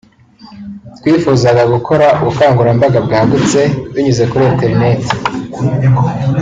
“Twifuzaga gukora ubukangurambaga bwagutse binyuze kuri internet